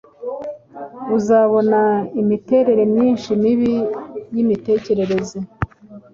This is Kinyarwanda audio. uzabona imiterere myinshi mibi y’imitekerereze